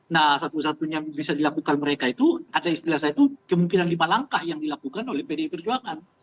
nah satu satunya yang bisa dilakukan mereka itu ada istilah saya itu kemungkinan lima langkah yang dilakukan oleh pdi perjuangan